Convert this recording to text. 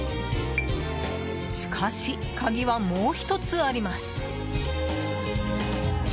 しかし、鍵はもう１つあります。